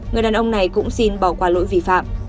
người đàn ông này cũng xin bỏ qua lỗi vi phạm